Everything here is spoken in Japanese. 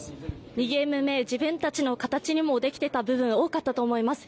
２ゲーム目、自分たちの形にもできていた部分、多かったと思います